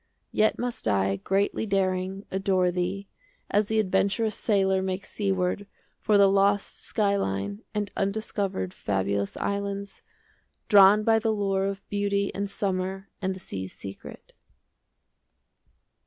20 Yet must I, greatly Daring, adore thee, As the adventurous Sailor makes seaward For the lost sky line 25 And undiscovered Fabulous islands, Drawn by the lure of Beauty and summer And the sea's secret.